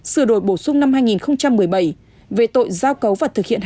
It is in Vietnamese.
sửa đổi bổ sung năm hai nghìn một mươi bảy về tội giao cấu và tội